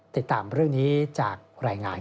ติดตามเรื่องนี้จากรายงาน